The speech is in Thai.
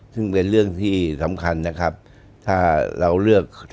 ขึ้นในเรื่องที่สำคัญนะครับ